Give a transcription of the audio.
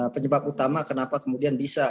penyebab utama kenapa kemudian bisa